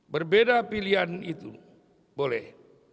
berbeda pilihan itu boleh